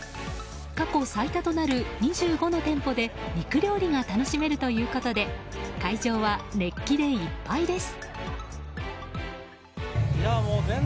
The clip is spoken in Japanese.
過去最多となる２５の店舗で肉料理が楽しめるということで会場は熱気でいっぱいです。